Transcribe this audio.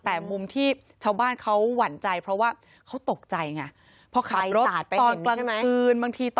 แต่มุมที่ชาวบ้านเขาหวั่นใจเพราะว่าเขาตกใจไงเพราะขับรถ